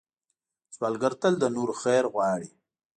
سوالګر تل د نورو خیر غواړي